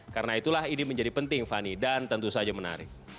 karena itulah ini menjadi penting fanny dan tentu saja menarik